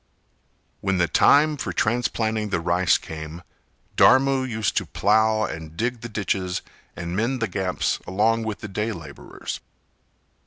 When the time for transplanting the rice came, Dharmu used to plough and dig the ditches and mend the gaps along with the day labourers.